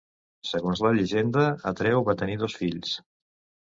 Segons la llegenda, Atreu va tenir dos fills: